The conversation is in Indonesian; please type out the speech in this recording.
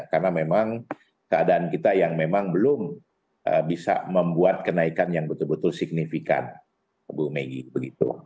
karena memang keadaan kita yang memang belum bisa membuat kenaikan yang betul betul signifikan bu maggie